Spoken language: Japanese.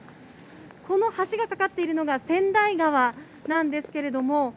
この橋が架かっているのが川内川なんですけれども、